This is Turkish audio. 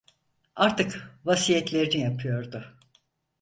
Artık vasiyetlerini yapıyordu.